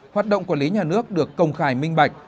hoạt động quản lý nhà nước được công khai minh bạch